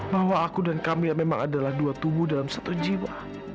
bahwa aku dan kami memang adalah dua tubuh dalam satu jiwa